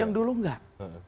yang dulu enggak